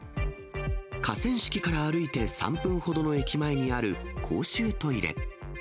河川敷から歩いて３分ほどの駅前にある、公衆トイレ。